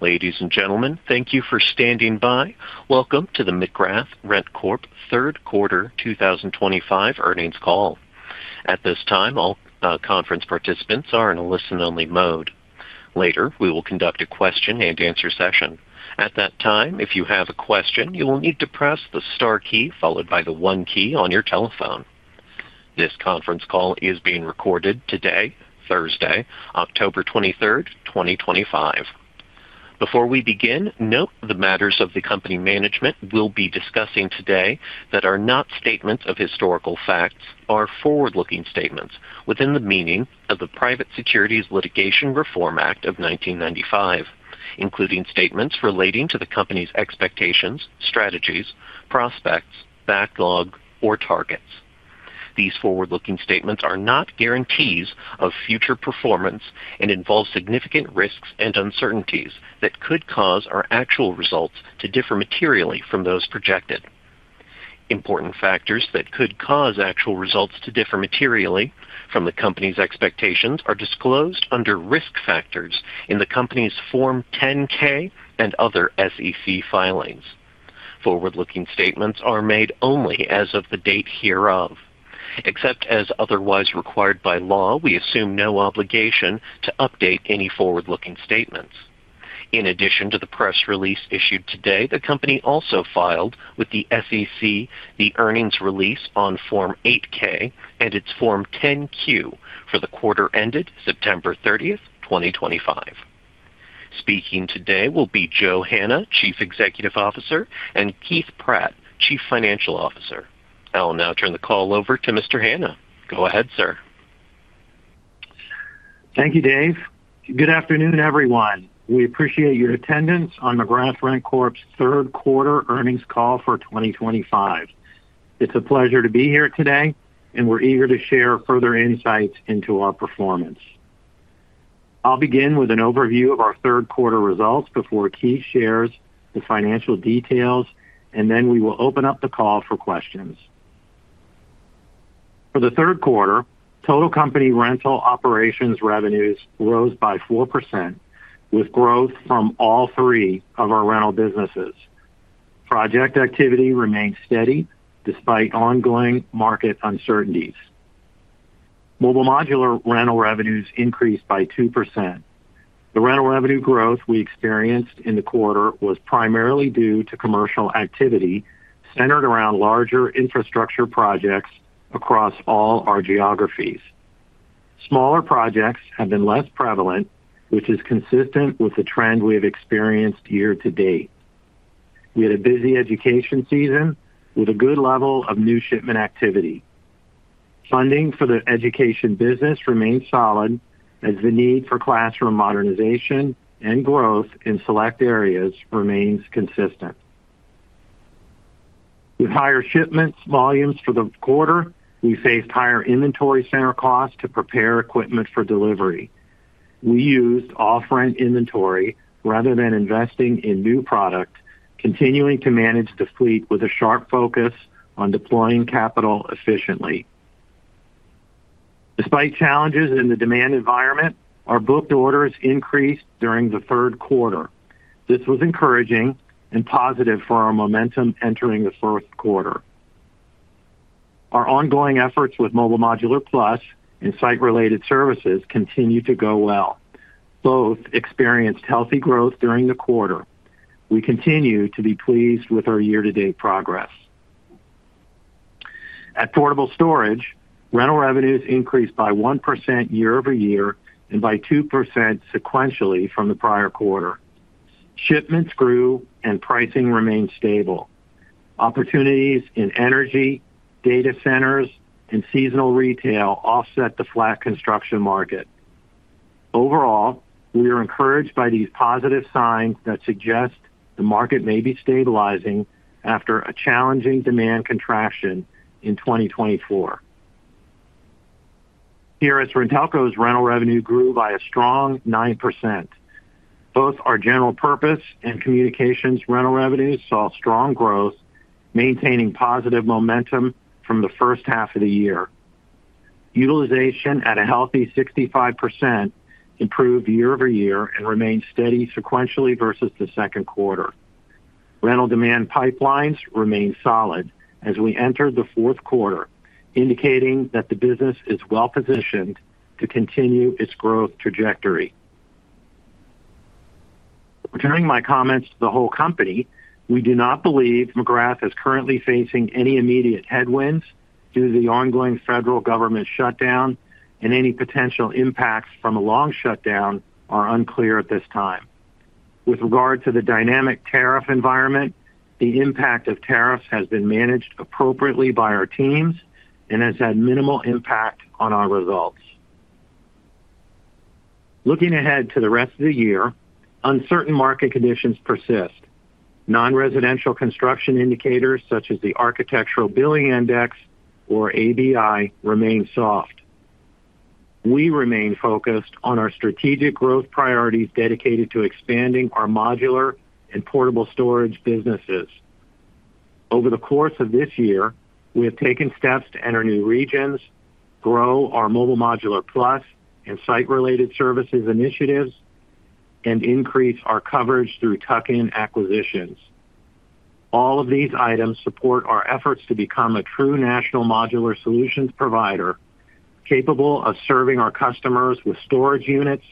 Ladies and gentlemen, thank you for standing by. Welcome to the McGrath RentCorp third quarter 2025 earnings call. At this time, all conference participants are in a listen-only mode. Later, we will conduct a question-and-answer session. At that time, if you have a question, you will need to press the star key followed by the one key on your telephone. This conference call is being recorded today, Thursday, October 23, 2025. Before we begin, note the matters of the company management we'll be discussing today that are not statements of historical facts are forward-looking statements within the meaning of the Private Securities Litigation Reform Act of 1995, including statements relating to the company's expectations, strategies, prospects, backlog, or targets. These forward-looking statements are not guarantees of future performance and involve significant risks and uncertainties that could cause our actual results to differ materially from those projected. Important factors that could cause actual results to differ materially from the company's expectations are disclosed under risk factors in the company's Form 10-K and other SEC filings. Forward-looking statements are made only as of the date hereof. Except as otherwise required by law, we assume no obligation to update any forward-looking statements. In addition to the press release issued today, the company also filed with the SEC the earnings release on Form 8-K and its Form 10-Q for the quarter ended September 30, 2025. Speaking today will be Joe Hanna, Chief Executive Officer, and Keith Pratt, Chief Financial Officer. I'll now turn the call over to Mr. Hanna. Go ahead, sir. Thank you, Dave. Good afternoon, everyone. We appreciate your attendance on McGrath RentCorp's third quarter earnings call for 2025. It's a pleasure to be here today, and we're eager to share further insights into our performance. I'll begin with an overview of our third quarter results before Keith shares the financial details, and then we will open up the call for questions. For the third quarter, total company rental operations revenues rose by 4%, with growth from all three of our rental businesses. Project activity remained steady despite ongoing market uncertainties. Mobile Modular rental revenues increased by 2%. The rental revenue growth we experienced in the quarter was primarily due to commercial activity centered around larger infrastructure projects across all our geographies. Smaller projects have been less prevalent, which is consistent with the trend we have experienced year to date. We had a busy education season with a good level of new shipment activity. Funding for the education business remains solid as the need for classroom modernization and growth in select areas remains consistent. With higher shipment volumes for the quarter, we faced higher inventory center costs to prepare equipment for delivery. We used off-rent inventory rather than investing in new product, continuing to manage the fleet with a sharp focus on deploying capital efficiently. Despite challenges in the demand environment, our booked orders increased during the third quarter. This was encouraging and positive for our momentum entering the fourth quarter. Our ongoing efforts with Mobile Modular Plus and site-related services continue to go well. Both experienced healthy growth during the quarter. We continue to be pleased with our year-to-date progress. At Portable Storage, rental revenues increased by 1% year-over-year and by 2% sequentially from the prior quarter. Shipments grew and pricing remained stable. Opportunities in energy, data centers, and seasonal retail offset the flat construction market. Overall, we are encouraged by these positive signs that suggest the market may be stabilizing after a challenging demand contraction in 2024. Here at TRS-RenTelco, rental revenue grew by a strong 9%. Both our general purpose and communications rental revenues saw strong growth, maintaining positive momentum from the first half of the year. Utilization at a healthy 65% improved year-over-year and remained steady sequentially versus the second quarter. Rental demand pipelines remained solid as we entered the fourth quarter, indicating that the business is well-positioned to continue its growth trajectory. Returning my comments to the whole company, we do not believe McGrath is currently facing any immediate headwinds due to the ongoing federal government shutdown, and any potential impacts from a long shutdown are unclear at this time. With regard to the dynamic tariff environment, the impact of tariffs has been managed appropriately by our teams and has had minimal impact on our results. Looking ahead to the rest of the year, uncertain market conditions persist. Non-residential construction indicators, such as the Architectural Billing Index or ABI, remain soft. We remain focused on our strategic growth priorities dedicated to expanding our modular and portable storage businesses. Over the course of this year, we have taken steps to enter new regions, grow our Mobile Modular Plus and site-related services initiatives, and increase our coverage through tuck-in acquisitions. All of these items support our efforts to become a true national modular solutions provider capable of serving our customers with storage units,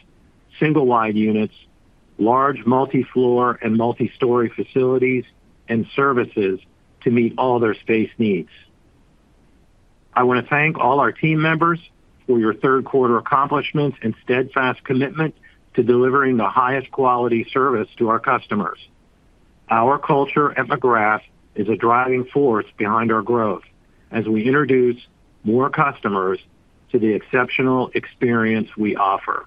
single-wide units, large multi-floor and multi-story facilities, and services to meet all their space needs. I want to thank all our team members for your third quarter accomplishments and steadfast commitment to delivering the highest quality service to our customers. Our culture at McGrath is a driving force behind our growth as we introduce more customers to the exceptional experience we offer.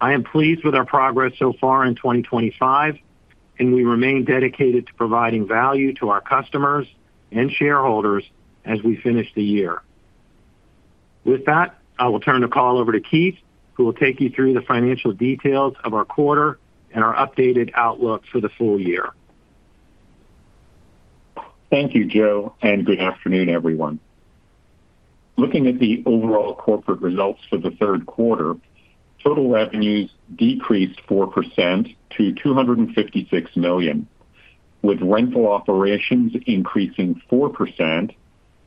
I am pleased with our progress so far in 2025, and we remain dedicated to providing value to our customers and shareholders as we finish the year. With that, I will turn the call over to Keith, who will take you through the financial details of our quarter and our updated outlook for the full year. Thank you, Joe, and good afternoon, everyone. Looking at the overall corporate results for the third quarter, total revenues decreased 4% to $256 million, with rental operations increasing 4%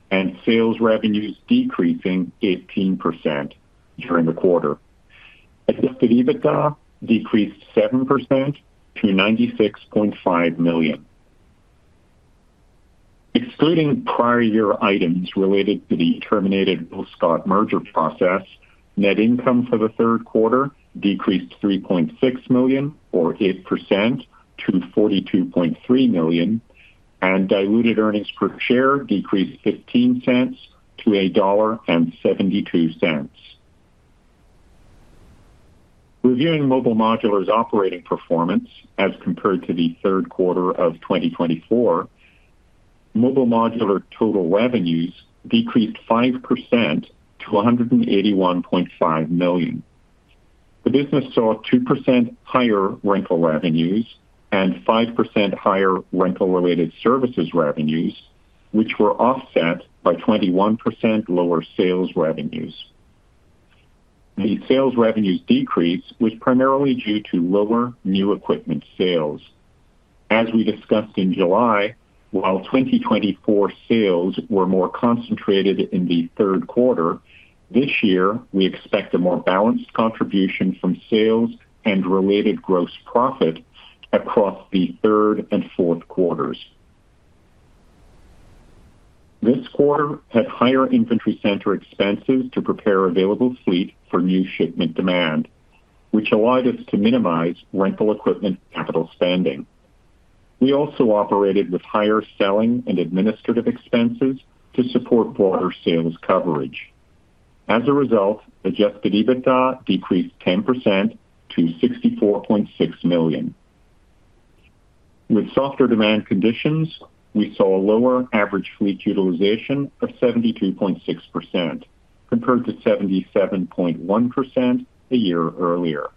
and sales revenues decreasing 18% during the quarter. Adjusted EBITDA decreased 7% to $96.5 million. Excluding prior year items related to the terminated post-Scott merger process, net income for the third quarter decreased $3.6 million, or 8%, to $42.3 million, and diluted earnings per share decreased $0.15-$1.72. Reviewing Mobile Modular's operating performance as compared to the third quarter of 2024, Mobile Modular total revenues decreased 5% to $181.5 million. The business saw 2% higher rental revenues and 5% higher rental-related services revenues, which were offset by 21% lower sales revenues. The sales revenues decrease was primarily due to lower new equipment sales. As we discussed in July, while 2024 sales were more concentrated in the third quarter, this year we expect a more balanced contribution from sales and related gross profit across the third and fourth quarters. This quarter had higher inventory center expenses to prepare available fleet for new shipment demand, which allowed us to minimize rental equipment capital spending. We also operated with higher selling and administrative expenses to support broader sales coverage. As a result, adjusted EBITDA decreased 10% to $64.6 million. With softer demand conditions, we saw a lower average fleet utilization of 72.6% compared to 77.1% a year earlier.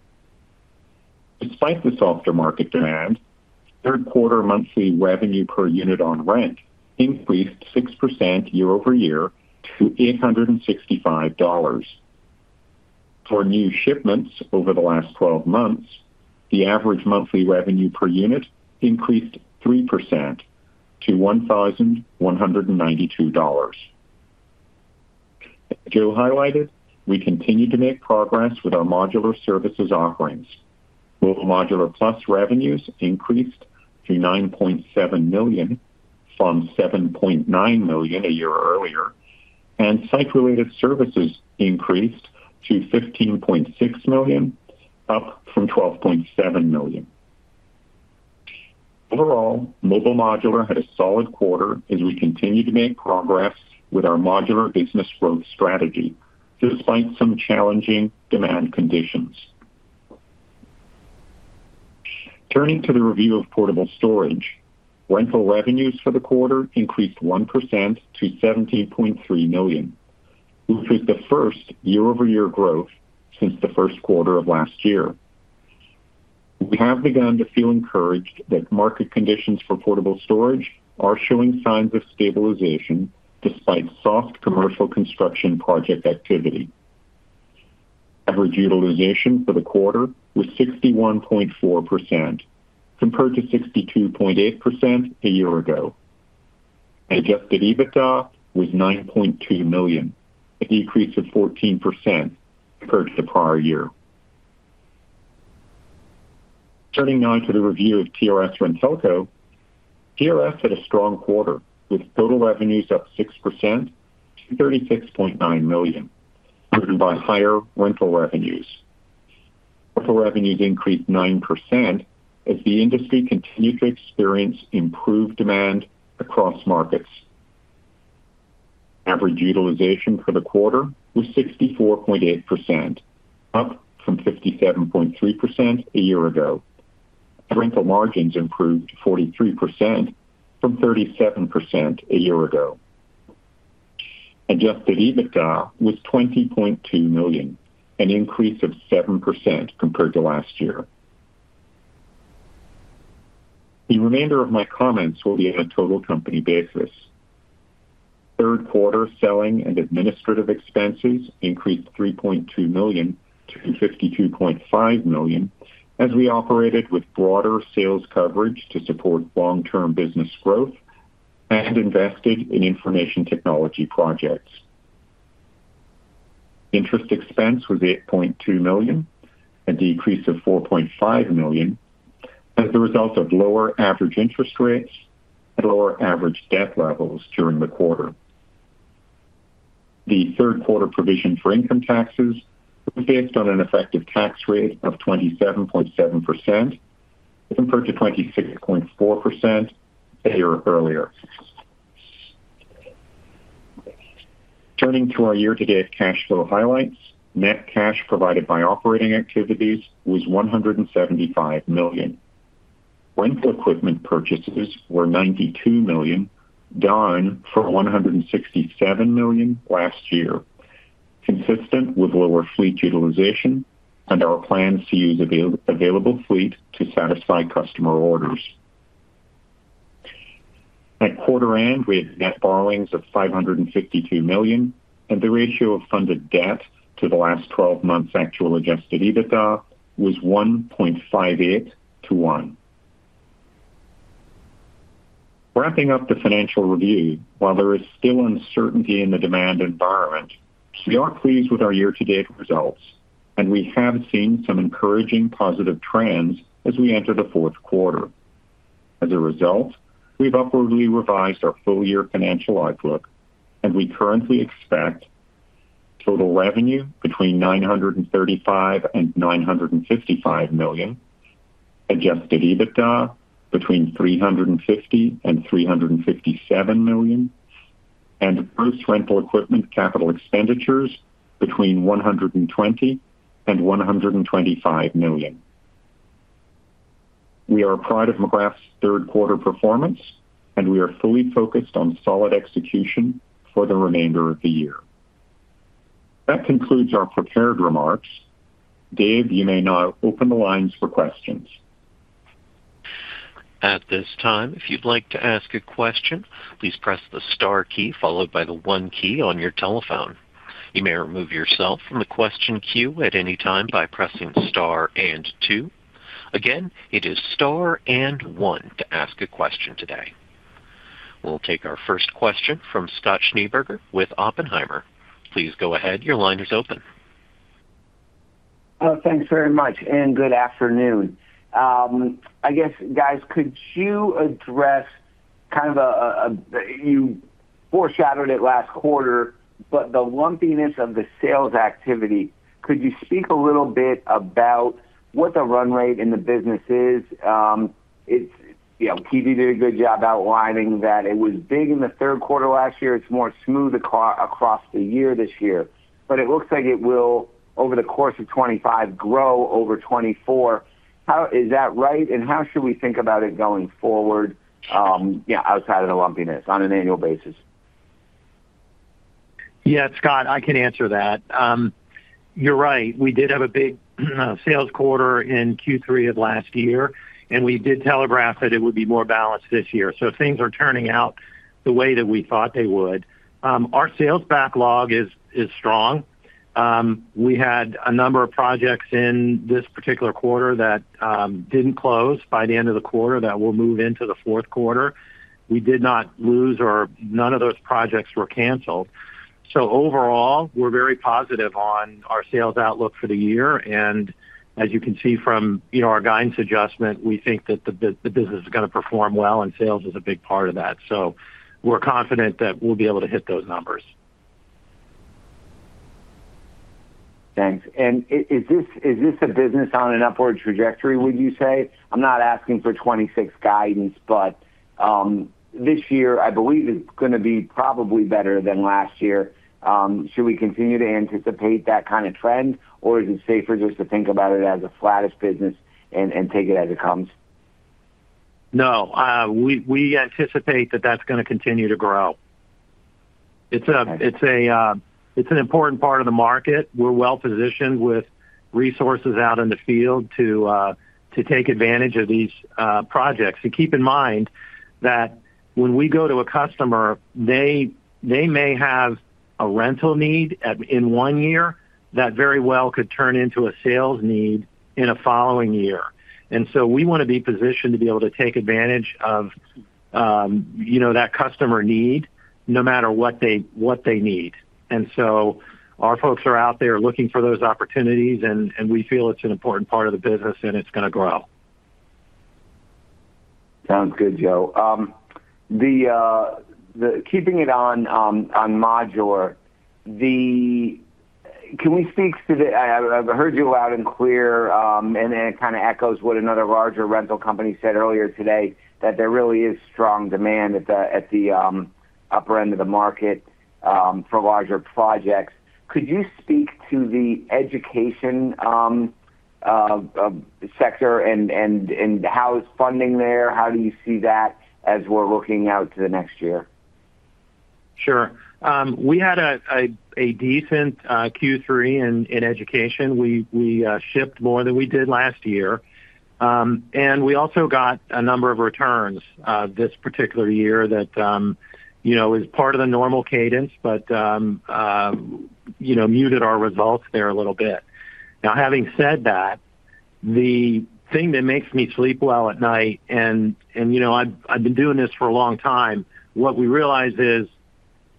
Despite the softer market demand, third quarter monthly revenue per unit on rent increased 6% year-over-year to $865. For new shipments over the last 12 months, the average monthly revenue per unit increased 3% to $1,192. As Joe highlighted, we continue to make progress with our modular services offerings. Mobile Modular Plus revenues increased to $9.7 million from $7.9 million a year earlier, and site-related services increased to $15.6 million, up from $12.7 million. Overall, Mobile Modular had a solid quarter as we continue to make progress with our modular business growth strategy, despite some challenging demand conditions. Turning to the review of Portable Storage, rental revenues for the quarter increased 1% to $17.3 million, which was the first year-over-year growth since the first quarter of last year. We have begun to feel encouraged that market conditions for portable storage are showing signs of stabilization despite soft commercial construction project activity. Average utilization for the quarter was 61.4% compared to 62.8% a year ago. Adjusted EBITDA was $9.2 million, a decrease of 14% compared to the prior year. Turning now to the review of TRS-RenTelco, TRS had a strong quarter with total revenues up 6% to $36.9 million, driven by higher rental revenues. Rental revenues increased 9% as the industry continued to experience improved demand across markets. Average utilization for the quarter was 64.8%, up from 57.3% a year ago. Rental margins improved to 43% from 37% a year ago. Adjusted EBITDA was $20.2 million, an increase of 7% compared to last year. The remainder of my comments will be on a total company basis. Third quarter selling and administrative expenses increased $3.2 million-$52.5 million as we operated with broader sales coverage to support long-term business growth and invested in information technology projects. Interest expense was $8.2 million, a decrease of $4.5 million as the result of lower average interest rates and lower average debt levels during the quarter. The third quarter provision for income taxes was based on an effective tax rate of 27.7% compared to 26.4% a year earlier. Turning to our year-to-date cash flow highlights, net cash provided by operating activities was $175 million. Rental equipment purchases were $92 million, down from $167 million last year, consistent with lower fleet utilization and our plans to use available fleet to satisfy customer orders. At quarter end, we had net borrowings of $552 million, and the ratio of funded debt to the last 12 months' actual adjusted EBITDA was 1.58-1. Wrapping up the financial review, while there is still uncertainty in the demand environment, we are pleased with our year-to-date results, and we have seen some encouraging positive trends as we enter the fourth quarter. As a result, we've upwardly revised our full-year financial outlook, and we currently expect total revenue between $935 and $955 million, adjusted EBITDA between $350 and $357 million, and gross rental equipment capital expenditures between $120 and $125 million. We are proud of McGrath's third-quarter performance, and we are fully focused on solid execution for the remainder of the year. That concludes our prepared remarks. Dave, you may now open the lines for questions. At this time, if you'd like to ask a question, please press the star key followed by the one key on your telephone. You may remove yourself from the question queue at any time by pressing star and two. Again, it is star and one to ask a question today. We'll take our first question from Scott Schneeberger with Oppenheimer. Please go ahead. Your line is open. Thanks very much, and good afternoon. I guess, guys, could you address, you foreshadowed it last quarter, but the lumpiness of the sales activity, could you speak a little bit about what the run rate in the business is? Keith, you did a good job outlining that it was big in the third quarter last year. It's more smooth across the year this year, but it looks like it will, over the course of 2025, grow over 2024. How is that right, and how should we think about it going forward, yeah, outside of the lumpiness on an annual basis? Yeah, Scott, I can answer that. You're right. We did have a big sales quarter in Q3 of last year, and we did telegraph that it would be more balanced this year. Things are turning out the way that we thought they would. Our sales backlog is strong. We had a number of projects in this particular quarter that didn't close by the end of the quarter that will move into the fourth quarter. We did not lose, or none of those projects were canceled. Overall, we're very positive on our sales outlook for the year. As you can see from our guidance adjustment, we think that the business is going to perform well, and sales is a big part of that. We're confident that we'll be able to hit those numbers. Thank you. Is this a business on an upward trajectory, would you say? I'm not asking for 2026 guidance, but this year, I believe, is going to be probably better than last year. Should we continue to anticipate that kind of trend, or is it safer just to think about it as a flattish business and take it as it comes? No, we anticipate that that's going to continue to grow. It's an important part of the market. We're well-positioned with resources out in the field to take advantage of these projects. Keep in mind that when we go to a customer, they may have a rental need in one year that very well could turn into a sales need in a following year. We want to be positioned to be able to take advantage of that customer need no matter what they need. Our folks are out there looking for those opportunities, and we feel it's an important part of the business, and it's going to grow. Sounds good, Joe. Keeping it on modular, can we speak to the I've heard you loud and clear, and it kind of echoes what another larger rental company said earlier today, that there really is strong demand at the upper end of the market for larger projects. Could you speak to the education sector and how is funding there? How do you see that as we're looking out to the next year? Sure. We had a decent Q3 in education. We shipped more than we did last year, and we also got a number of returns this particular year that is part of the normal cadence, but muted our results there a little bit. Now, having said that, the thing that makes me sleep well at night, and I've been doing this for a long time, what we realize is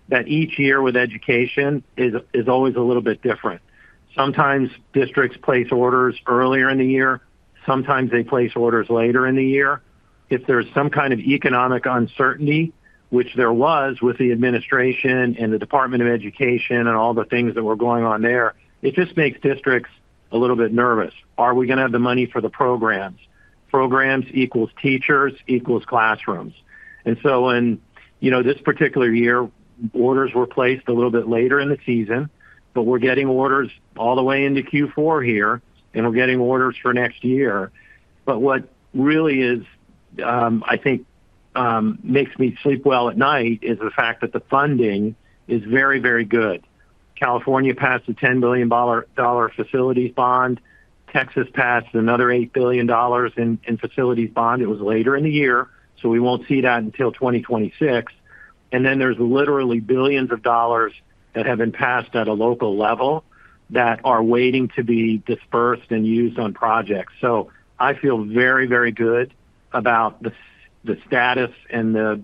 that each year with education is always a little bit different. Sometimes districts place orders earlier in the year. Sometimes they place orders later in the year. If there's some kind of economic uncertainty, which there was with the administration and the Department of Education and all the things that were going on there, it just makes districts a little bit nervous. Are we going to have the money for the programs? Programs equals teachers equals classrooms. In this particular year, orders were placed a little bit later in the season, but we're getting orders all the way into Q4 here, and we're getting orders for next year. What really is, I think, makes me sleep well at night is the fact that the funding is very, very good. California passed a $10 billion facilities bond. Texas passed another $8 billion in facilities bond. It was later in the year, so we won't see that until 2026. There are literally billions of dollars that have been passed at a local level that are waiting to be dispersed and used on projects. I feel very, very good about the status and the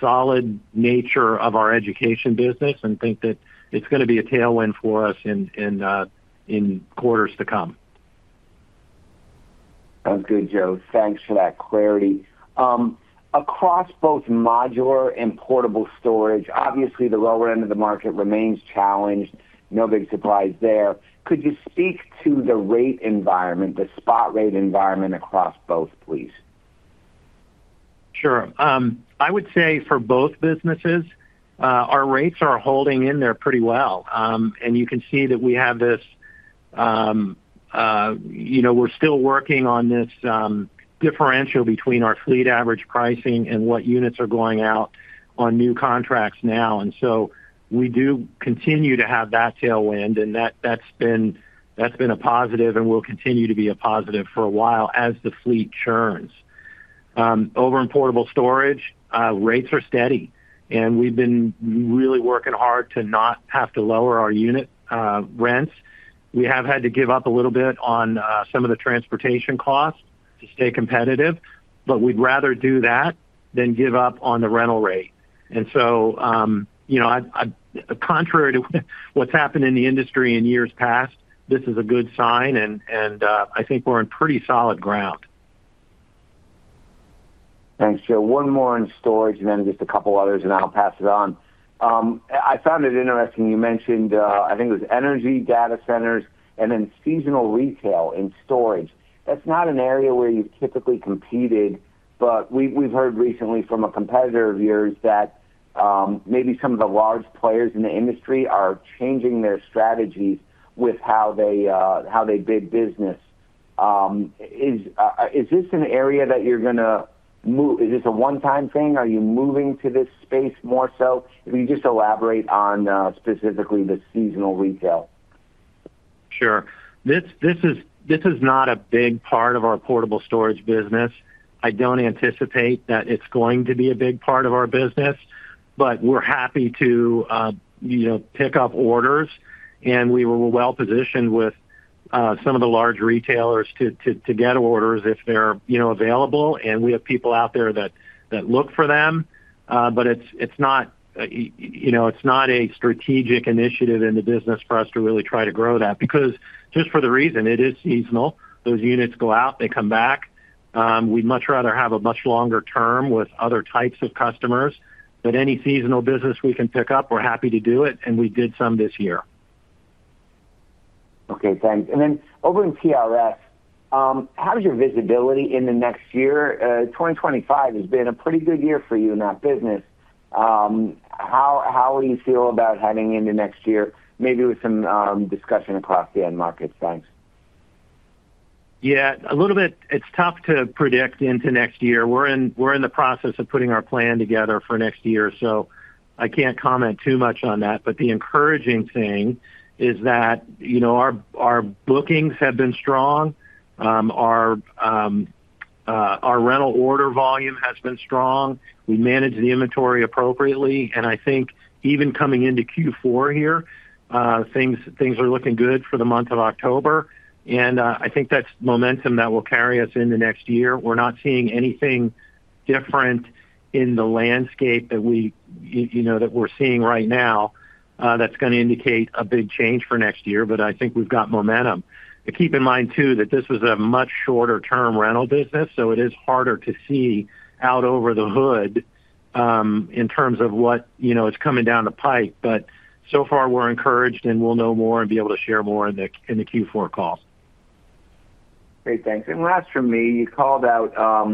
solid nature of our education business and think that it's going to be a tailwind for us in quarters to come. Sounds good, Joe. Thanks for that clarity. Across both modular and portable storage, obviously, the lower end of the market remains challenged. No big surprise there. Could you speak to the rate environment, the spot rate environment across both, please? Sure. I would say for both businesses, our rates are holding in there pretty well. You can see that we have this, you know, we're still working on this differential between our fleet average pricing and what units are going out on new contracts now. We do continue to have that tailwind, and that's been a positive and will continue to be a positive for a while as the fleet churns. Over in portable storage, rates are steady, and we've been really working hard to not have to lower our unit rents. We have had to give up a little bit on some of the transportation costs to stay competitive, but we'd rather do that than give up on the rental rate. Contrary to what's happened in the industry in years past, this is a good sign, and I think we're on pretty solid ground. Thanks, Joe. One more in storage and then just a couple others, and I'll pass it on. I found it interesting you mentioned, I think it was energy, data centers, and then seasonal retail in storage. That's not an area where you've typically competed, but we've heard recently from a competitor of yours that maybe some of the large players in the industry are changing their strategies with how they bid business. Is this an area that you're going to move? Is this a one-time thing? Are you moving to this space more so? If you could just elaborate on, specifically, the seasonal retail. Sure. This is not a big part of our portable storage business. I don't anticipate that it's going to be a big part of our business, but we're happy to, you know, pick up orders, and we were well-positioned with some of the large retailers to get orders if they're, you know, available. We have people out there that look for them, but it's not, you know, it's not a strategic initiative in the business for us to really try to grow that because just for the reason it is seasonal. Those units go out, they come back. We'd much rather have a much longer term with other types of customers. Any seasonal business we can pick up, we're happy to do it, and we did some this year. Okay. Thanks. Over in TRS-RenTelco, how's your visibility in the next year? 2025 has been a pretty good year for you in that business. How do you feel about heading into next year, maybe with some discussion across the end markets? Thanks. Yeah, a little bit. It's tough to predict into next year. We're in the process of putting our plan together for next year, so I can't comment too much on that. The encouraging thing is that our bookings have been strong. Our rental order volume has been strong. We manage the inventory appropriately. I think even coming into Q4 here, things are looking good for the month of October. I think that's momentum that will carry us into next year. We're not seeing anything different in the landscape that we're seeing right now that's going to indicate a big change for next year. I think we've got momentum. Keep in mind, too, that this was a much shorter-term rental business, so it is harder to see out over the hood in terms of what is coming down the pike. So far, we're encouraged, and we'll know more and be able to share more in the Q4 call. Great. Thanks. Last from me, you called out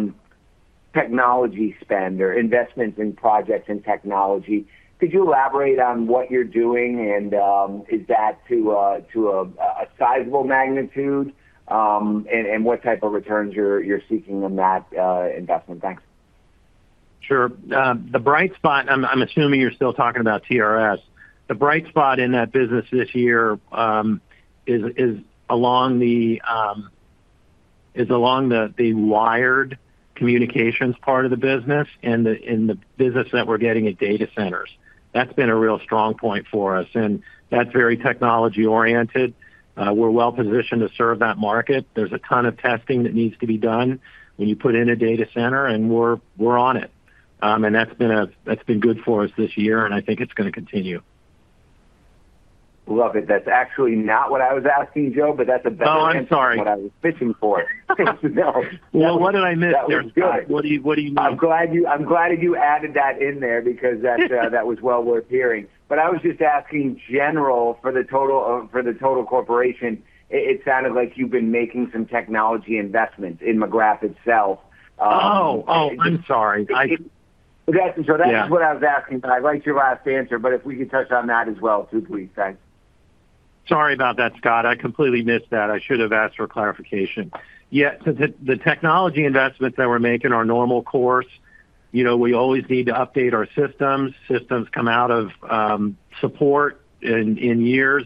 technology spend or investments in projects in technology. Could you elaborate on what you're doing, is that to a sizable magnitude, and what type of returns you're seeking in that investment? Thanks. Sure. The bright spot, I'm assuming you're still talking about TRS-RenTelco. The bright spot in that business this year is along the wired communications part of the business and in the business that we're getting at data centers. That's been a real strong point for us. That's very technology-oriented. We're well-positioned to serve that market. There's a ton of testing that needs to be done when you put in a data center, and we're on it. That's been good for us this year, and I think it's going to continue. Love it. That's actually not what I was asking, Joe, but that's a better answer than what I was. Oh, I'm sorry. What I was fishing for. No, what did I miss? That was good. What do you mean? I'm glad you added that in there because that was well worth hearing. I was just asking general for the total, for the total corporation. It sounded like you've been making some technology investments in McGrath itself. Oh, I'm sorry. That's what I was asking. I liked your last answer. If we could touch on that as well, too, please. Thanks. Sorry about that, Scott. I completely missed that. I should have asked for clarification. The technology investments that we're making are normal course. You know, we always need to update our systems. Systems come out of support in years.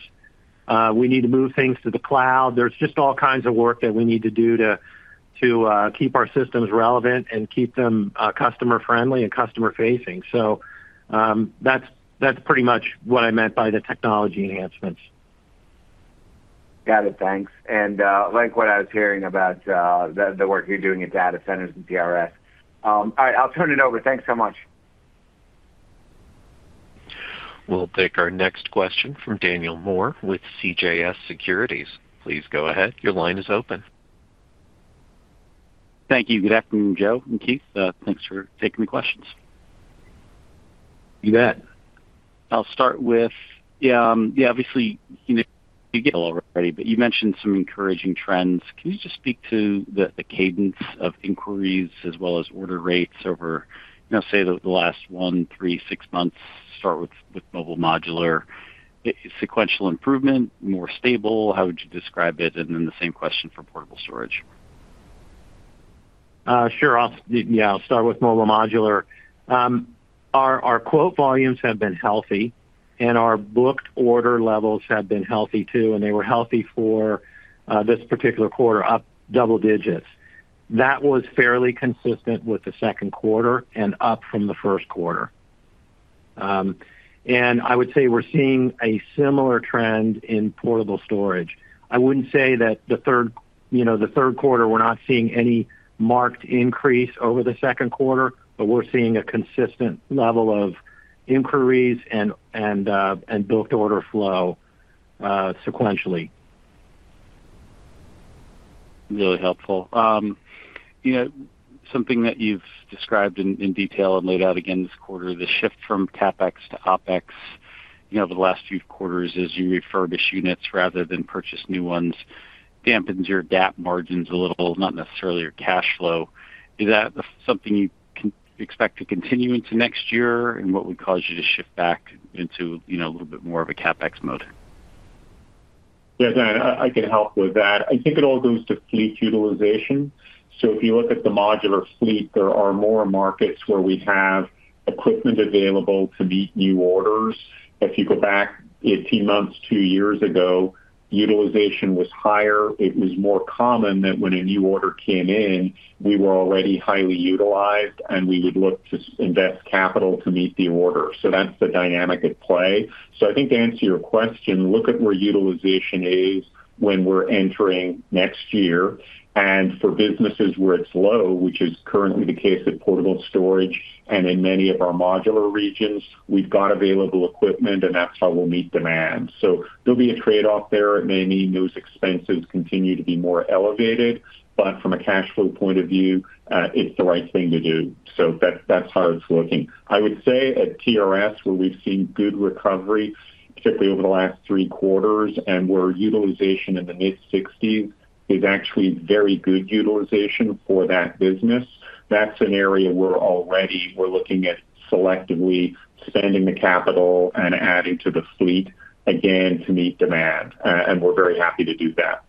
We need to move things to the cloud. There's just all kinds of work that we need to do to keep our systems relevant and keep them customer-friendly and customer-facing. That's pretty much what I meant by the technology enhancements. Got it. Thanks. I like what I was hearing about the work you're doing at data centers and TRS-RenTelco. All right, I'll turn it over. Thanks so much. We'll take our next question from Daniel Moore with CJS Securities. Please go ahead. Your line is open. Thank you. Good afternoon, Joe and Keith. Thanks for taking the questions. You bet. I'll start with, obviously, you know, you get it already, but you mentioned some encouraging trends. Can you just speak to the cadence of inquiries as well as order rates over, you know, say, the last one, three, six months? Start with Mobile Modular. Sequential improvement, more stable? How would you describe it? The same question for Portable Storage. Sure. Yeah, I'll start with Mobile Modular. Our quote volumes have been healthy, and our booked order levels have been healthy too, and they were healthy for this particular quarter, up double digits. That was fairly consistent with the second quarter and up from the first quarter. I would say we're seeing a similar trend in Portable Storage. I wouldn't say that the third quarter, we're not seeing any marked increase over the second quarter, but we're seeing a consistent level of inquiries and booked order flow, sequentially. Really helpful. You know, something that you've described in detail and laid out again this quarter, the shift from CapEx to OpEx over the last few quarters is you refer to units rather than purchase new ones. Dampens your DAT margins a little, not necessarily your cash flow. Is that something you can expect to continue into next year, and what would cause you to shift back into a little bit more of a CapEx mode? Yeah, I can help with that. I think it all goes to fleet utilization. If you look at the modular fleet, there are more markets where we have equipment available to meet new orders. If you go back 18 months, two years ago, utilization was higher. It was more common that when a new order came in, we were already highly utilized, and we would look to invest capital to meet the order. That's the dynamic at play. I think to answer your question, look at where utilization is when we're entering next year. For businesses where it's low, which is currently the case at Portable Storage and in many of our modular regions, we've got available equipment, and that's how we'll meet demand. There'll be a trade-off there. It may mean those expenses continue to be more elevated, but from a cash flow point of view, it's the right thing to do. That's how it's looking. I would say at TRS-RenTelco, where we've seen good recovery, particularly over the last three quarters, and where utilization in the mid-60% is actually very good utilization for that business, that's an area where already we're looking at selectively spending the capital and adding to the fleet again to meet demand. We're very happy to do that.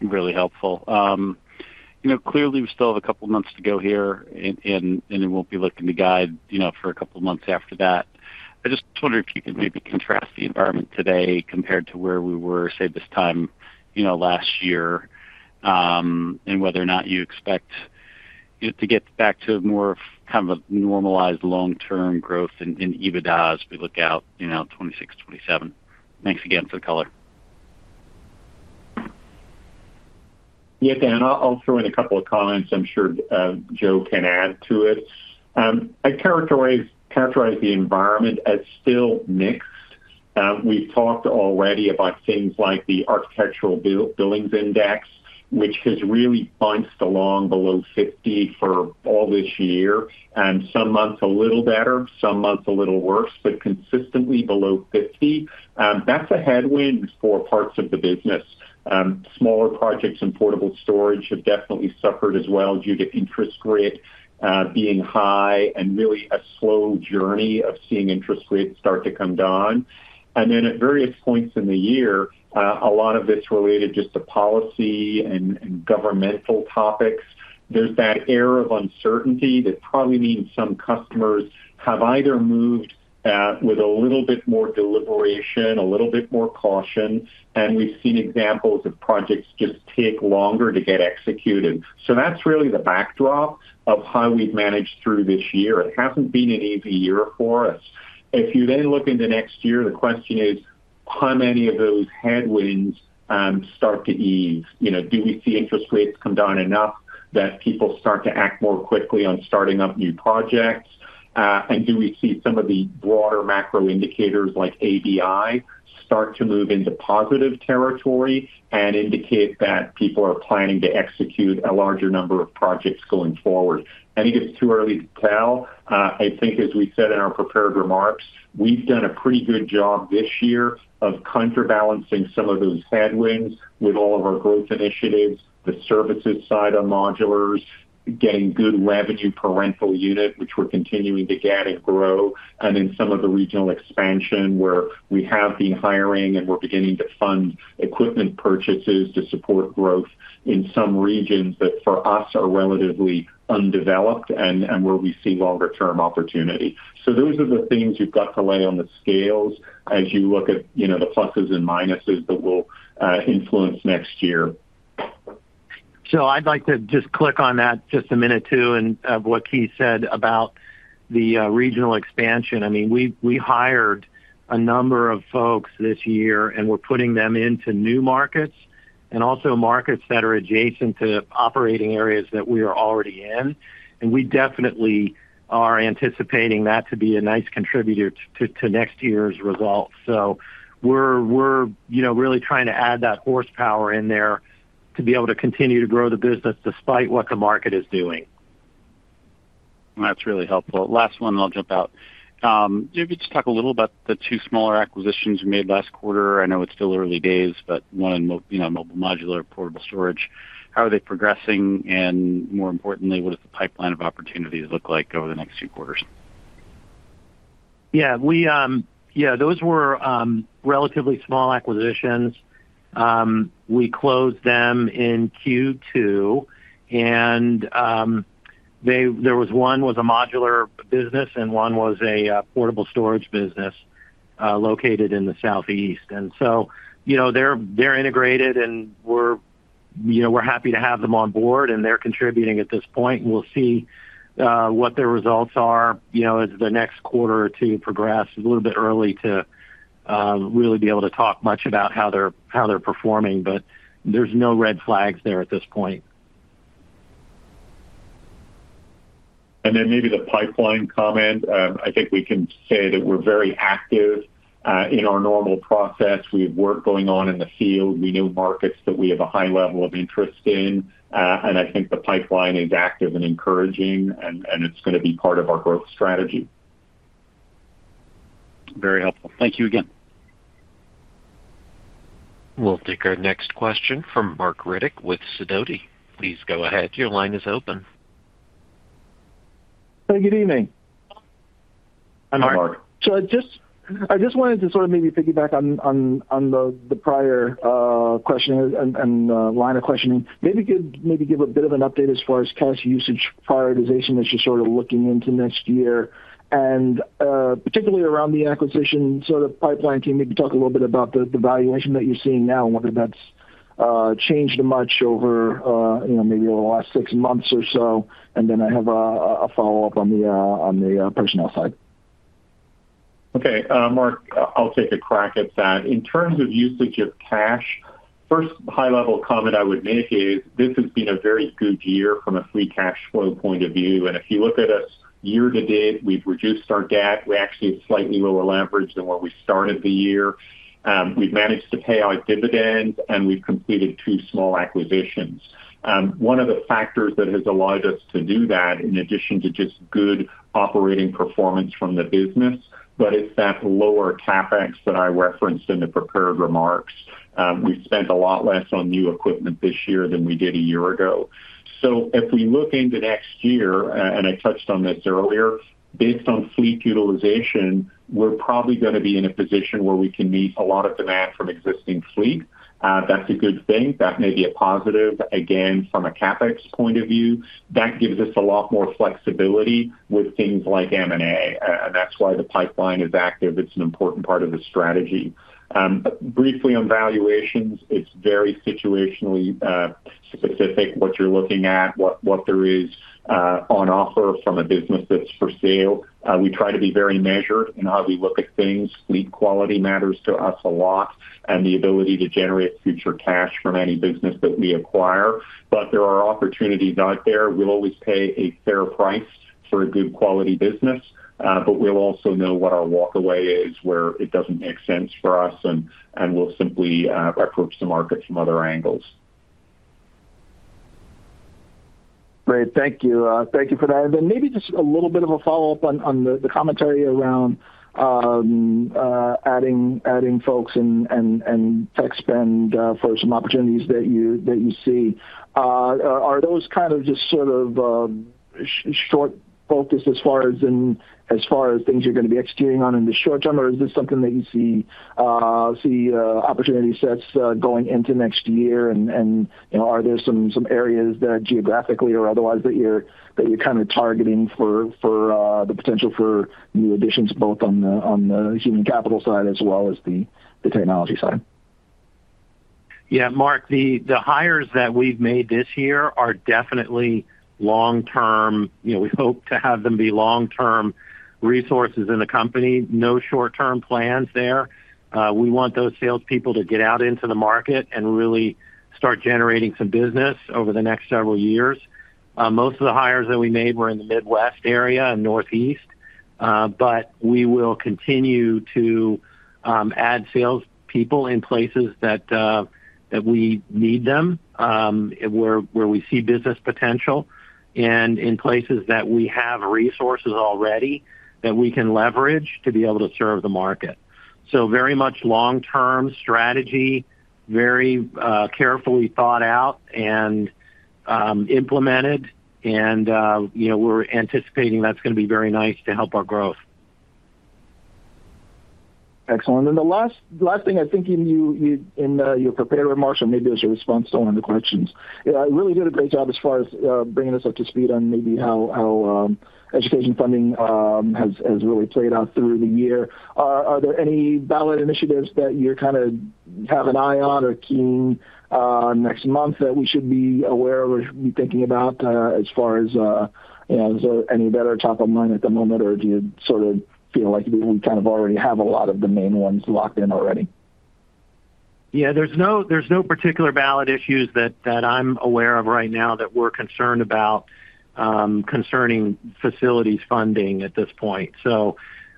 Really helpful. Clearly, we still have a couple of months to go here, and it won't be looking to guide for a couple of months after that. I just wonder if you could maybe contrast the environment today compared to where we were, say, this time last year, and whether or not you expect to get back to more of kind of a normalized long-term growth in EBITDA as we look out 2026, 2027. Thanks again for the color. Yeah, Dan, I'll throw in a couple of comments. I'm sure Joe can add to it. I characterize the environment as still mixed. We've talked already about things like the Architectural Billings Index, which has really bounced along below 50 for all this year. Some months a little better, some months a little worse, but consistently below 50. That's a headwind for parts of the business. Smaller projects in portable storage have definitely suffered as well due to interest rates being high and really a slow journey of seeing interest rates start to come down. At various points in the year, a lot of this related just to policy and governmental topics. There's that air of uncertainty that probably means some customers have either moved with a little bit more deliberation, a little bit more caution, and we've seen examples of projects just take longer to get executed. That's really the backdrop of how we've managed through this year. It hasn't been an easy year for us. If you then look into next year, the question is, how many of those headwinds start to ease? Do we see interest rates come down enough that people start to act more quickly on starting up new projects? Do we see some of the broader macro indicators like ABI start to move into positive territory and indicate that people are planning to execute a larger number of projects going forward? I think it's too early to tell. I think, as we said in our prepared remarks, we've done a pretty good job this year of counterbalancing some of those headwinds with all of our growth initiatives, the services side on modulars, getting good revenue per rental unit, which we're continuing to get and grow, and then some of the regional expansion where we have been hiring and we're beginning to fund equipment purchases to support growth in some regions that for us are relatively undeveloped and where we see longer-term opportunity. Those are the things you've got to lay on the scales as you look at the pluses and minuses that will influence next year. I'd like to just click on that just a minute, too, of what Keith said about the regional expansion. I mean, we hired a number of folks this year, and we're putting them into new markets and also markets that are adjacent to operating areas that we are already in. We definitely are anticipating that to be a nice contributor to next year's results. We're really trying to add that horsepower in there to be able to continue to grow the business despite what the market is doing. That's really helpful. Last one, and I'll jump out. Maybe just talk a little about the two smaller acquisitions you made last quarter. I know it's still early days, but one in Mobile Modular, portable storage. How are they progressing? More importantly, what does the pipeline of opportunities look like over the next two quarters? Yeah, those were relatively small acquisitions. We closed them in Q2. There was one that was a modular business and one that was a portable storage business, located in the Southeast. They're integrated and we're happy to have them on board and they're contributing at this point. We'll see what their results are as the next quarter or two progress. It's a little bit early to really be able to talk much about how they're performing, but there's no red flags there at this point. Maybe the pipeline comment. I think we can say that we're very active in our normal process. We have work going on in the field. We know markets that we have a high level of interest in. I think the pipeline is active and encouraging, and it's going to be part of our growth strategy. Very helpful. Thank you again. We'll take our next question from Mark Riddick with Sidoti. Please go ahead. Your line is open. Good evening. Hi, Mark. I just wanted to maybe piggyback on the prior question and line of questioning. Maybe give a bit of an update as far as cash usage prioritization that you're sort of looking into next year, particularly around the acquisition pipeline team. Maybe talk a little bit about the valuation that you're seeing now and whether that's changed much over the last six months or so. I have a follow-up on the personnel side. Okay. Mark, I'll take a crack at that. In terms of usage of cash, first high-level comment I would make is this has been a very good year from a free cash flow point of view. If you look at us year to date, we've reduced our debt. We actually have slightly lower leverage than where we started the year. We've managed to pay our dividends, and we've completed two small acquisitions. One of the factors that has allowed us to do that, in addition to just good operating performance from the business, is that lower CapEx that I referenced in the prepared remarks. We've spent a lot less on new equipment this year than we did a year ago. If we look into next year, and I touched on this earlier, based on fleet utilization, we're probably going to be in a position where we can meet a lot of demand from existing fleet. That's a good thing. That may be a positive. Again, from a CapEx point of view, that gives us a lot more flexibility with things like M&A. That's why the pipeline is active. It's an important part of the strategy. Briefly on valuations, it's very situationally specific what you're looking at, what there is on offer from a business that's for sale. We try to be very measured in how we look at things. Fleet quality matters to us a lot, and the ability to generate future cash from any business that we acquire. There are opportunities out there. We'll always pay a fair price for a good quality business, but we'll also know what our walk-away is where it doesn't make sense for us, and we'll simply approach the market from other angles. Great. Thank you. Thank you for that. Maybe just a little bit of a follow-up on the commentary around adding folks and tech spend for some opportunities that you see. Are those kind of just sort of short focus as far as things you're going to be executing on in the short term, or is this something that you see opportunity sets going into next year? You know, are there some areas that geographically or otherwise that you're kind of targeting for the potential for new additions both on the human capital side as well as the technology side? Yeah, Mark, the hires that we've made this year are definitely long-term. We hope to have them be long-term resources in the company. No short-term plans there. We want those salespeople to get out into the market and really start generating some business over the next several years. Most of the hires that we made were in the Midwest area and Northeast. We will continue to add salespeople in places that we need them, where we see business potential, and in places that we have resources already that we can leverage to be able to serve the market. Very much long-term strategy, very carefully thought out and implemented. We're anticipating that's going to be very nice to help our growth. Excellent. The last thing I think in your prepared remarks, or maybe it was your response to one of the questions, you really did a great job as far as bringing us up to speed on maybe how education funding has really played out through the year. Are there any valid initiatives that you kind of have an eye on or are keen on next month that we should be aware of or should be thinking about, as far as, you know, is there any that are top of mind at the moment, or do you sort of feel like we kind of already have a lot of the main ones locked in already? Yeah, there's no particular valid issues that I'm aware of right now that we're concerned about, concerning facilities funding at this point.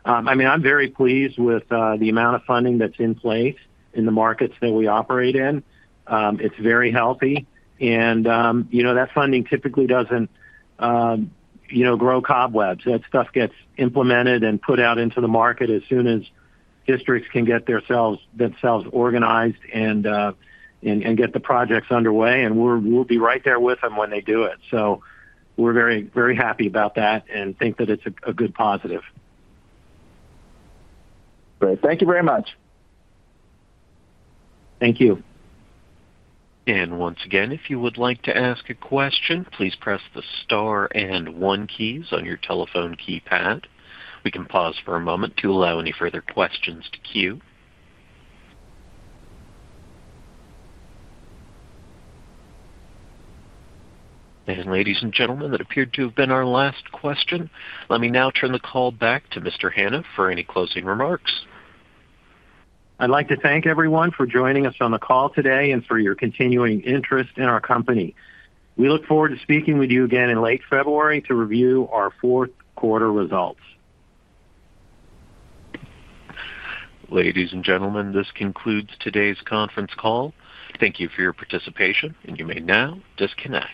I mean, I'm very pleased with the amount of funding that's in place in the markets that we operate in. It's very healthy. You know, that funding typically doesn't grow cobwebs. That stuff gets implemented and put out into the market as soon as districts can get themselves organized and get the projects underway. We'll be right there with them when they do it. We're very, very happy about that and think that it's a good positive. Great, thank you very much. Thank you. If you would like to ask a question, please press the star and one keys on your telephone keypad. We can pause for a moment to allow any further questions to queue. Ladies and gentlemen, that appeared to have been our last question. Let me now turn the call back to Mr. Hanna for any closing remarks. I'd like to thank everyone for joining us on the call today and for your continuing interest in our company. We look forward to speaking with you again in late February to review our fourth quarter results. Ladies and gentlemen, this concludes today's conference call. Thank you for your participation, and you may now disconnect.